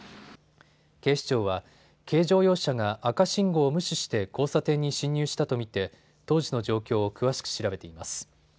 警視庁は軽乗用車が赤信号を無視して交差点に進入したと見て当時の状況を詳しく調べています。